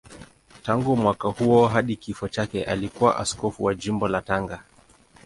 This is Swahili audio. Tangu mwaka huo hadi kifo chake alikuwa askofu wa Jimbo la Tanga.